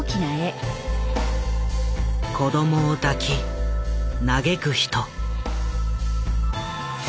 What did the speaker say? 子どもを抱き嘆く人。